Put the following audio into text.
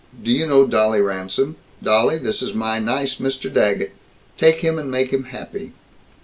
Do you know Dolly Ransome? Dolly, this is my nice Mr. Daggett. Take him and make him happy."